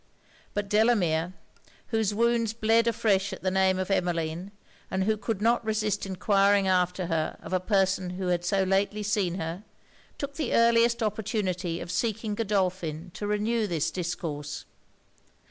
But Delamere, whose wounds bled afresh at the name of Emmeline, and who could not resist enquiring after her of a person who had so lately seen her, took the earliest opportunity of seeking Godolphin to renew this discourse.